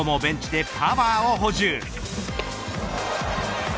今日もベンチでパワーを補充。